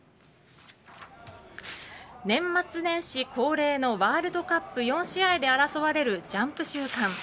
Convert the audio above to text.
年末年始恒例のワールドカップ４試合で争われる、ジャンプ週間。